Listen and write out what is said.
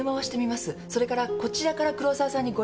それからこちらから黒澤さんにご連絡します。